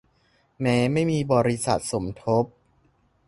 แม้ไม่มีบริษัทสมบท